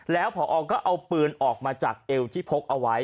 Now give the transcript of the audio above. แล้วพอก็เอาปืนออกมาจากเอวที่พกเอาไว้